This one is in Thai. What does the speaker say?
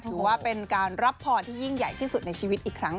ถือว่าเป็นการรับพรที่ยิ่งใหญ่ที่สุดในชีวิตอีกครั้ง